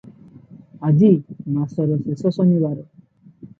ଆଜି ମାସର ଶେଷ ଶନିବାର ।